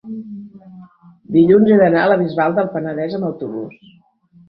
dilluns he d'anar a la Bisbal del Penedès amb autobús.